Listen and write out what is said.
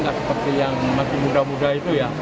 nggak seperti yang masih muda muda itu ya